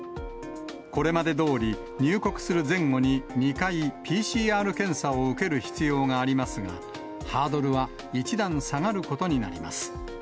これまでどおり、入国する前後に２回、ＰＣＲ検査を受ける必要がありますが、ハードルは一段下がることになります。